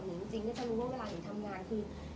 จริงก็จะรู้ว่าเวลานิ่งทำงานคือ